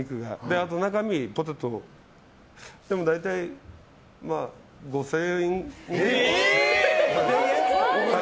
あと中身はポテトなのででも、大体５０００円くらい。